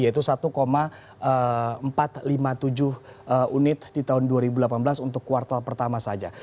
yaitu satu empat ratus lima puluh tujuh unit di tahun dua ribu delapan belas untuk kuartal pertama saja